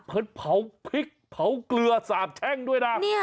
เผ็ดเผาพริกเผาเกลือสาบแช้งด้วยนาง